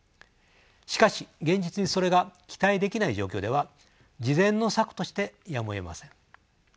しかし現実にそれが期待できない状況では次善の策としてやむをえません。